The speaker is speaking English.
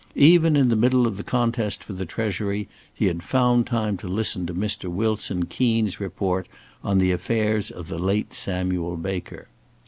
Even in the middle of the contest for the Treasury, he had found time to listen to Mr. Wilson Keens report on the affairs of the late Samuel Baker.